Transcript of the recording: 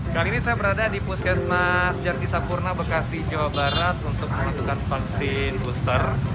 kali ini saya berada di buskesmas jatisapurna bekasi jawa barat untuk melakukan vaksin booster